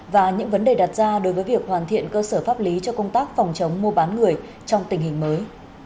và những vấn đề đặt ra đối với việc hoàn thiện cơ sở pháp lý cho công tác phòng chống mua bán người trong tình hình mới